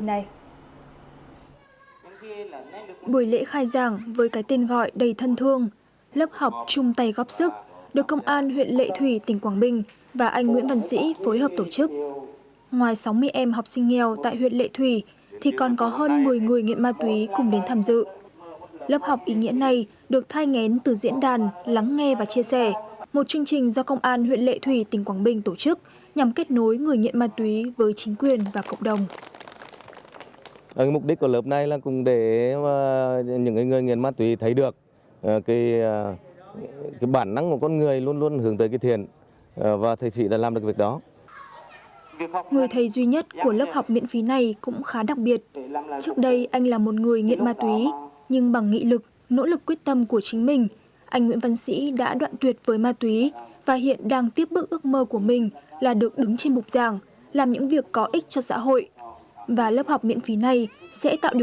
trước đây anh là một người nghiện ma túy nhưng bằng nghị lực nỗ lực quyết tâm của chính mình anh nguyễn văn sĩ đã đoạn tuyệt với ma túy nhưng bằng nghị lực nỗ lực quyết tâm của chính mình anh nguyễn văn sĩ đã đoạn tuyệt với ma túy nhưng bằng nghị lực nỗ lực quyết tâm của chính mình anh nguyễn văn sĩ đã đoạn tuyệt với ma túy nhưng bằng nghị lực quyết tâm của chính mình anh nguyễn văn sĩ đã đoạn tuyệt với ma túy nhưng bằng nghị lực quyết tâm của chính mình anh nguyễn văn sĩ đã đoạn tuyệt với ma túy nhưng bằng nghị lực quyết tâm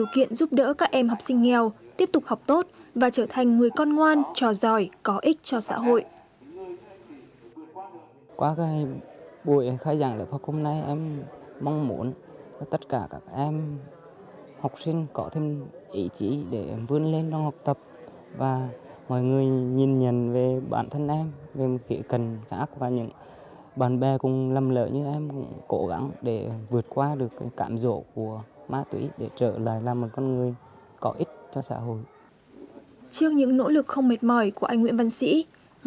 của chính